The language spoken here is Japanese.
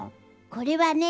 これはね